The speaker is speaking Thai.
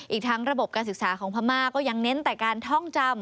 อีกทั้งระบบการศึกษาของพม่าก็ยังเน้นแต่การท่องจำ